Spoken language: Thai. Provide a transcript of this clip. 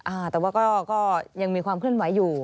อ่าแต่ว่าก็ยังมีความเคลื่อนไหวอยู่